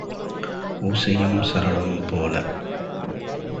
ஊசியும் சரடும் போல.